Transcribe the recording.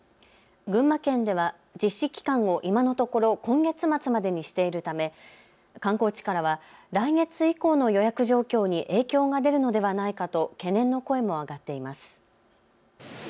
群馬県では実施期間を今のところ今月末までにしているため観光地からは来月以降の予約状況に影響が出るのではないかと懸念の声も上がっています。